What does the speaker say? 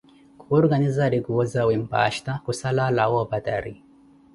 khurkanizari kuwo zawe mpasta khusala alawa opatari.